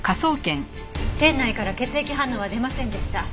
店内から血液反応は出ませんでした。